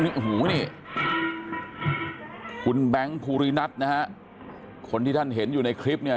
นี่โอ้โหนี่คุณแบงค์ภูรินัทนะฮะคนที่ท่านเห็นอยู่ในคลิปเนี่ย